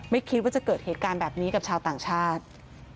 ไม่คิดว่าจะเกิดเหตุการณ์แบบนี้กับชาวต่างชาติ